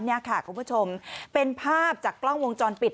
นี่ค่ะคุณผู้ชมเป็นภาพจากกล้องวงจรปิด